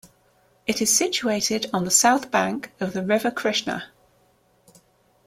It is situated on the south bank of the River Krishna.